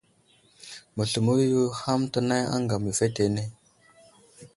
Məsləmo yo ɗi ham tənay aŋgam yo fetenene.